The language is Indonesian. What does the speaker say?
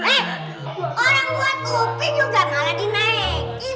eh orang buat kopi juga malah dinaikin